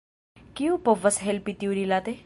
Kiu povas helpi tiurilate?